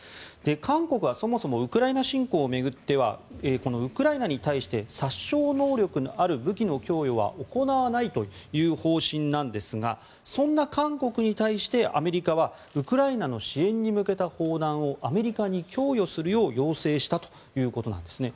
韓国はそもそもウクライナ侵攻を巡ってはウクライナに対して殺傷能力のある武器の供与は行わないという方針なんですがそんな韓国に対してアメリカはウクライナの支援に向けた砲弾をアメリカに供与するよう要請したということなんですね。